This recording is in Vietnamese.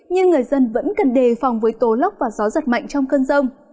nhưng người dân vẫn cần đề phòng với tố lốc và gió giật mạnh trong cơn rông